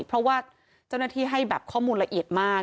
เพราะว่าเจ้าหน้าที่ให้แบบข้อมูลละเอียดมาก